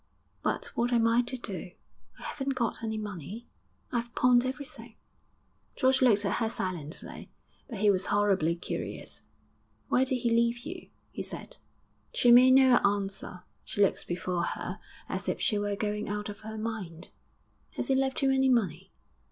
'But what am I to do? I haven't got any money; I've pawned everything.' George looked at her silently; but he was horribly curious. 'Why did he leave you?' he said. She made no answer; she looked before her as if she were going out of her mind. 'Has he left you any money?'